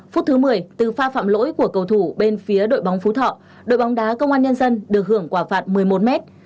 phút thứ một mươi từ pha phạm lỗi của cầu thủ bên phía đội bóng phú thọ đội bóng đá công an nhân dân được hưởng quả phạt một mươi một mét